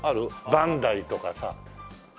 バンダイとかさ。